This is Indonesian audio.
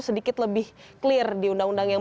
sedikit lebih clear di undang undang yang